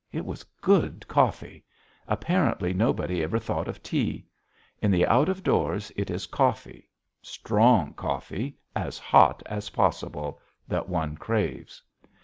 It was good coffee. Apparently nobody ever thought of tea. In the out doors it is coffee strong coffee, as hot as possible that one craves.